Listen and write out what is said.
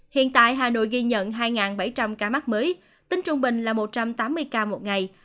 hiện tại hà nội ghi nhận hai bảy trăm linh ca mắc mới tính trung bình là một trăm tám mươi ca một ngày